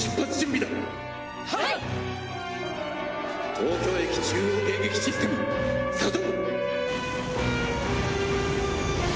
東京駅中央迎撃システム作動！